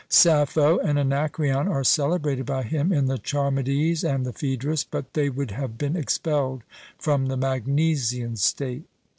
Sappho and Anacreon are celebrated by him in the Charmides and the Phaedrus; but they would have been expelled from the Magnesian state.